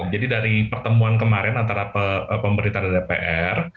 jadi dari pertemuan kemarin antara pemberitaan dpr